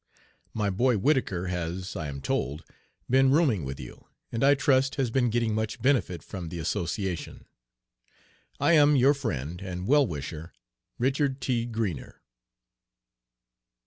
"My boy," Whittaker, has, I am told, been rooming with you, and I trust has been getting much benefit from the association. I am, your friend and well wisher, RICHARD T. GREENER.